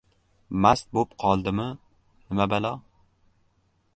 Mast bo‘p qoldimi, nima balo?